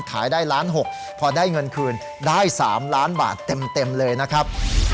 ขายได้ล้าน๖พอได้เงินคืนได้๓ล้านบาทเต็มเลยนะครับ